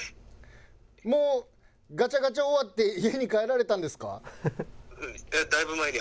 もうガチャガチャ終わって家に帰られたんですか？